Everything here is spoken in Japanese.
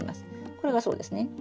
これがそうですね。